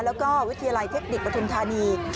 แล้วก็วิทยาลัยเทคนิคปฐุมธานี